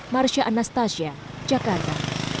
marsya anastasia jakarta